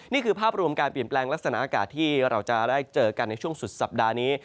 นี่คือภาพรวมการเปลี่ยนแปลงลักษณะอากาศที่เราจะได้เจอกันในช่วงสุดสัปดาห์นี้